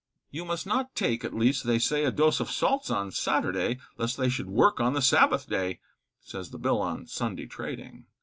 You must not take, at least, they say, A dose of salts on Saturday, Lest they should work on the Sabbath day, Says the Bill on Sunday trading.